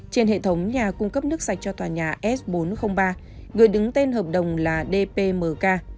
trên hệ thống nhà cung cấp nước sạch cho tòa nhà s bốn trăm linh ba người đứng tên hợp đồng là dpmk